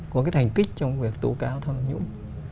có cái thành kích trong việc tổ cao tham nhũng